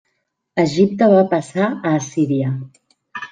Egipte va passar a Assíria.